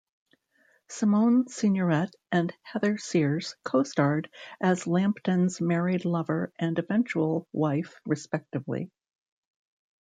Simone Signoret and Heather Sears co-starred as Lampton's married lover and eventual wife respectively.